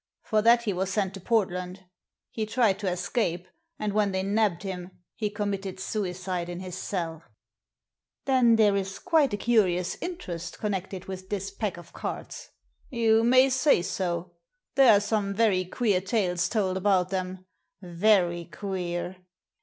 For that he was sent to Port land. He tried to escape, and when they nabbed him he committed suicide in his cell." j " Then there is quite a curious interest connected with this pack of cards ?" "You may say so. There are some very queer tales told about them — very queer.